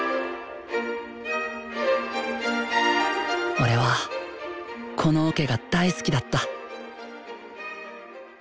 俺はこのオケが大好きだった。